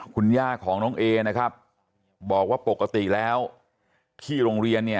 คุณย่าของน้องเอนะครับบอกว่าปกติแล้วที่โรงเรียนเนี่ย